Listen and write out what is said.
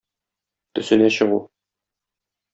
Төсенә чыгу.